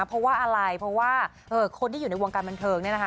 เพราะว่าอะไรเพราะว่าคนที่อยู่ในวงการบันเทิงเนี่ยนะคะ